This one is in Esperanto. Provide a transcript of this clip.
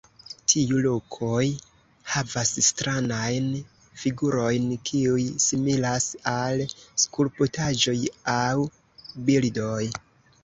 Tiu rokoj havas stranajn figurojn kiuj similas al skulptaĵoj aŭ bildoj.